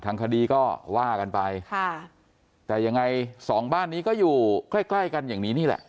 ทางคดีก็ว่ากันไปค่ะแต่ยังไงสองบ้านนี้ก็อยู่ใกล้ใกล้กันอย่างนี้นี่แหละ